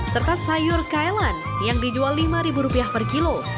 serta sayur kailan yang dijual lima rupiah per kilo